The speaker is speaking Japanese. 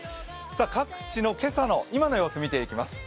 各地の今朝の今の様子見ていきます。